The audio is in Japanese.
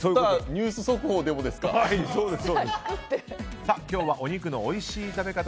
ニュース速報でもですか。